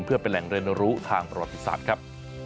เพื่อเป็นแหล่งเรียนรู้ทางประวัติศาสตร์ครับ